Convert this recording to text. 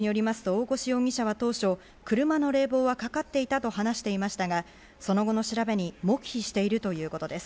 警察によりますと、大越容疑者は当初、車の冷房はかかっていたと話していましたが、その後の調べに黙秘しているということです。